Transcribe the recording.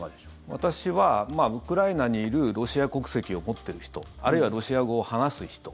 私はウクライナにいるロシア国籍を持っている人あるいはロシア語を話す人